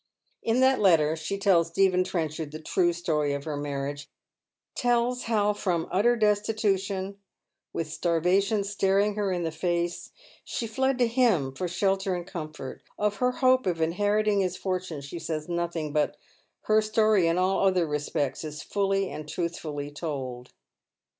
In that letter she tells Stephen Trenchard the true story of her mamage — tells how from utter destitution, with stai vation staring her in the face she fled to him for shelter and comfort Of her hope of inheriting his fortune she says nothing, but her story in all other respects is fully and truthfully told.